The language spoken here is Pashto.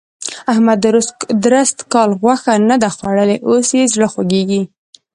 احمد درست کال غوښه نه ده خوړلې؛ اوس يې زړه خوږېږي.